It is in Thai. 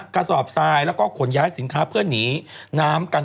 กระสอบทรายแล้วก็ขนย้ายสินค้าเพื่อหนีน้ำกัน